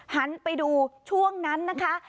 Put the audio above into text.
หันไปดูช่วงนั้นนะคะ